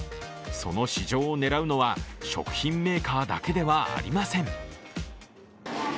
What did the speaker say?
その市場を狙うのは食品メーカーだけではありません。